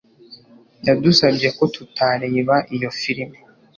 yadusabye ko tutareba iyo firime